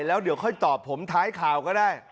แล้วเดี๋ยวค่อยตอบผมท้ายข่าวก็ได้